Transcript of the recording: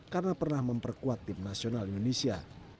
karena pernah memiliki kemampuan untuk berkumpul di yogyakarta sore tadi